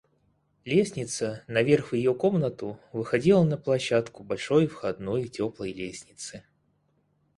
Лестница наверх в ее комнату выходила на площадку большой входной теплой лестницы.